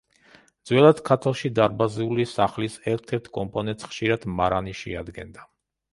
ძველად ქართლში დარბაზული სახლის ერთ-ერთ კომპონენტს ხშირად მარანი შეადგენდა.